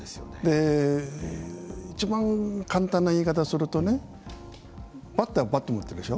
一番簡単な言い方するとねバッターはバット持ってるでしょ。